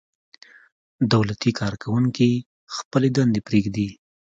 دولتي کارکوونکي خپلې دندې پرېږدي.